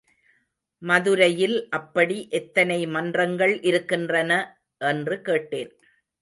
மதுரையில் அப்படி எத்தனை மன்றங்கள் இருக்கின்றன? என்று கேட்டேன்.